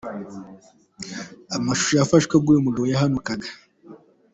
Amashusho yafashwe ubwo uyu mugabo yahanukaga.